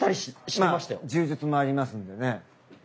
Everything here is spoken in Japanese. まあ柔術もありますんでね。